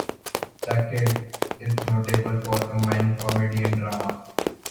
"The Kid" is notable for combining comedy and drama.